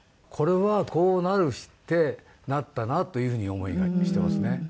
これはこうなるべくしてなったなというふうに思いがしてますね。